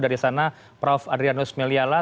dari sana prof adrianus meliala